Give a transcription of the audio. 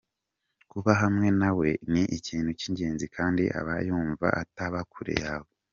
Kuba hamwe nawe ni ikintu kingenzi kandi aba yumva ataba kure yawe.